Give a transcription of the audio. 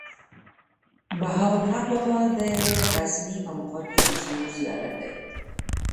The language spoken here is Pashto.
بهاوالحق بابا د غزني په مقر کې يو مشهور زيارت دی.